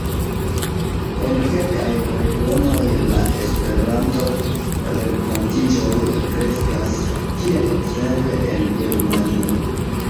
En kelkaj regionoj la Esperanto-renkontiĝoj kreskas, kiel ekzemple en Germanio.